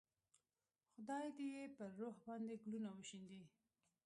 خدای دې یې پر روح باندې ګلونه وشیندي.